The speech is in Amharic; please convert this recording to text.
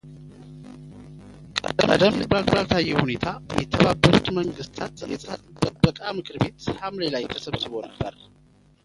ቀደም ሲል ባልታየ ሁኔታ የተባበሩት መንግሥታት የፀጥታው ጥበቃ ምክር ቤት ሐምሌ ላይ ተሰብስቦ ነበር።